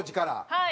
はい。